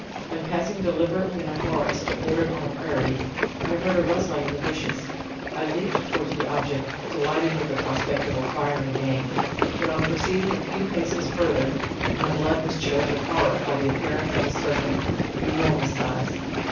When passing deliberately in a forast that bordered on a prairie, I heard a rustling in the bushes; I leaped towards the object, delighted with the prospect of acquiring game. But on proceeding a few paces further, my blood was chilled with horror, by the appearance of a serpent of an enormous size.